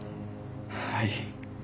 はい。